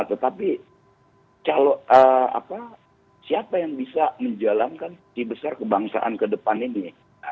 tetapi siapa yang bisa menjalankan si besar kebangsaan ke depan ini